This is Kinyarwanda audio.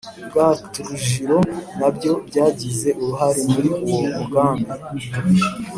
Bwa trujillo na byo byagize uruhare muri uwo mugambi